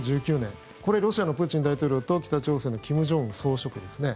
これはロシアのプーチン大統領と北朝鮮の金正恩総書記ですね。